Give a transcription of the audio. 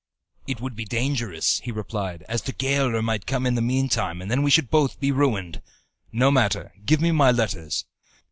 "It would be dangerous," he replied, "as the gaoler might come in in the mean time, and then we should be both ruined." "No matter. Give me my letters."